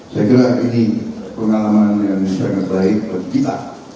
saya kira ini pengalaman yang sangat baik bagi kita